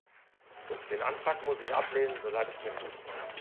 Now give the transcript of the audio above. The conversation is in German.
Den Antrag muss ich ablehnen, so leid es mir tut.